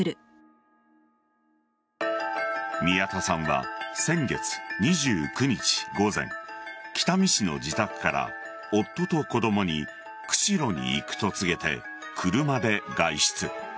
宮田さんは先月２９日午前北見市の自宅から、夫と子供に釧路に行くと告げて、車で外出。